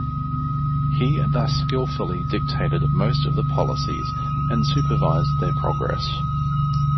He thus skilfully dictated most of the policies and supervised their progress.